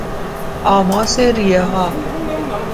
آماس ریهها